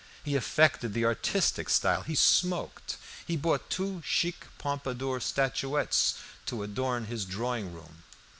He affected the artistic style, he smoked. He bought two chic Pompadour statuettes to adorn his drawing room.